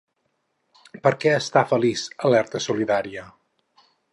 Per què està feliç Alerta Solidària?